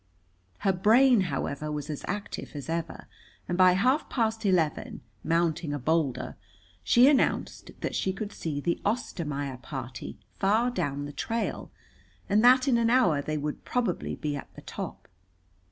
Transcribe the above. Her brain, however, was as active as ever, and by half past eleven, mounting a boulder, she announced that she could see the Ostermaier party far down the trail, and that in an hour they would probably be at the top.